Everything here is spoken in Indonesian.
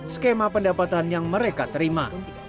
skema pendapatan yang mereka terima